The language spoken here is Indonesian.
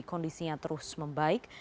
kondisinya terus membaik